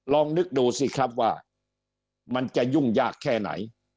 ลองนึกดูสิครับว่ามันจะยุ่งยากแค่ไหน